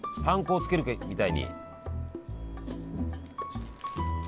パン粉をつけるみたいに。